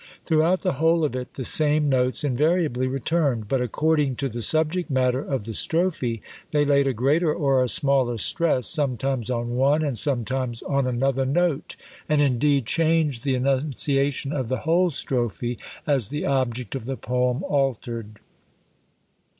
Throughout the whole of it, the same notes invariably returned; but, according to the subject matter of the strophe, they laid a greater or a smaller stress, sometimes on one, and sometimes on another note, and indeed changed the enunciation of the whole strophe, as the object of the poem altered.